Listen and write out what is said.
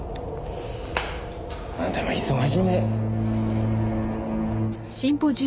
あんたも忙しいね。